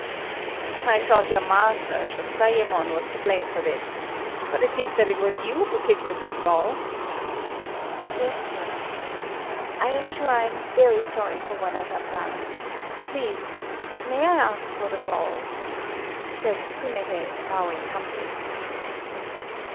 "I thought your master, Shôzayémon, was to blame for this; but it seems that it was you who kicked the football." "Yes, sir. I am sure I am very sorry for what I have done. Please, may I ask for the ball?" said Tsunéhei, bowing humbly.